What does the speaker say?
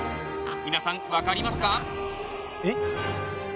皆さん、分かりますか？